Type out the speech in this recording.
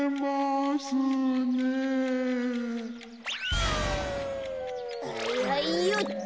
はいはいよっと。